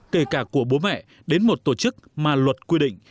kể cả của bố mẹ đến một tổ chức mà luật quy định